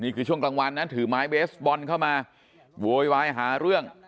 ช่วงกลางวันนะถือไม้เบสบอลเข้ามาโวยวายหาเรื่อง